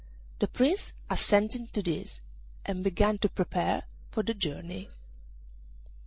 The Prince assented to this, and began to prepare for the journey.